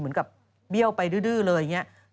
เหมือนกับเบี้ยวไปดื้อเลยอย่างนี้